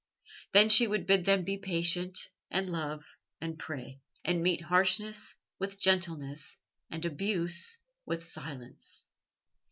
Then she would bid them be patient, and love and pray, and meet harshness with gentleness, and abuse with silence.